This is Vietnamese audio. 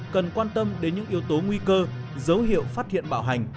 cần quan tâm đến những yếu tố nguy cơ dấu hiệu phát hiện bạo hành